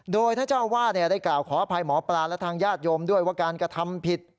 โดยท่านเจ้าอาวาสได้กล่าวขออภัยหมอปลาและทางญาติโยมด้วยว่าการกระทำผิด